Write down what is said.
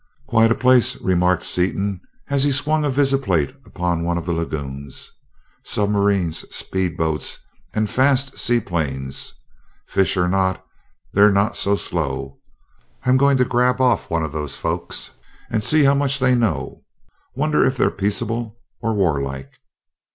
"Quite a place," remarked Seaton as he swung a visiplate upon one of the lagoons. "Submarines, speedboats, and fast seaplanes. Fish or not, they're not so slow. I'm going to grab off one of those folks and see how much they know. Wonder if they're peaceable or warlike?"